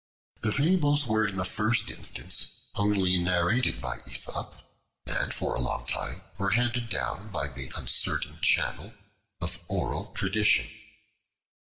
The fables were in the first instance only narrated by Aesop, and for a long time were handed down by the uncertain channel of oral tradition.